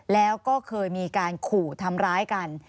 แล้วก็เคยมีการขู่ทำร้ายกัน